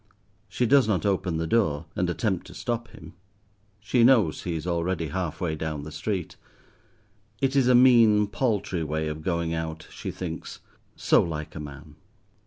She does not open the door and attempt to stop him, she knows he is already half way down the street. It is a mean, paltry way of going out, she thinks; so like a man.